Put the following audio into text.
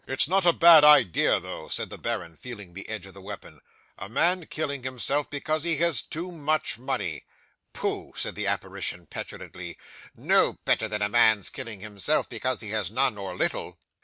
'"It's not a bad idea though," said the baron, feeling the edge of the weapon; "a man killing himself because he has too much money." '"Pooh!" said the apparition, petulantly, "no better than a man's killing himself because he has none or little."